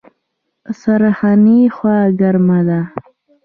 ښرنې هوا ګرمه ده؟